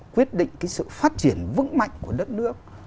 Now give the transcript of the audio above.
quyết định cái sự phát triển vững mạnh của đất nước